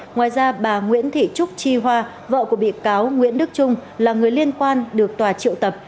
ngoài ra bà nguyễn thị trúc chi hoa vợ của bị cáo nguyễn đức trung là người liên quan được tòa triệu tập